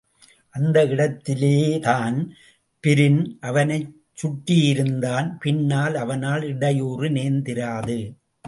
அந்த இடத்திலேயே தான்பிரீன் அவனைச்சுட்டிருந்தான், பின்னால் அவனால் இடையூறு நேர்ந்திராது.